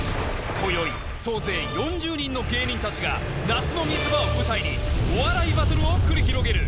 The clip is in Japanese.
今宵総勢４０人の芸人達が夏の水場を舞台にお笑いバトルを繰り広げる！